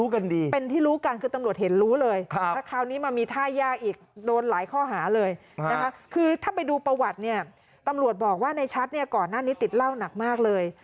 คือถ้าไปดูประวัติเนี่ยตำรวจบอกว่าในชัดเนี่ยก่อนหน้านี้ติดเหล้าหนักมากเลย